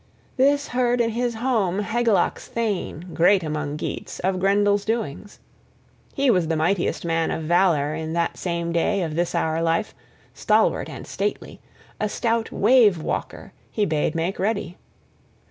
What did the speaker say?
This heard in his home Hygelac's thane, great among Geats, of Grendel's doings. He was the mightiest man of valor in that same day of this our life, stalwart and stately. A stout wave walker he bade make ready.